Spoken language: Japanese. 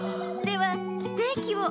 ではステーキを。